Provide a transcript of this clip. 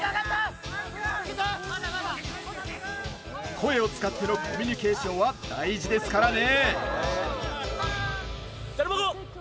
声を使ってのコミュニケーションは大事ですからね。